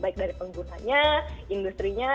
baik dari penggunanya industrinya